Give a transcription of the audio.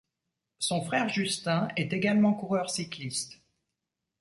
Son frère Justin est également coureur cycliste.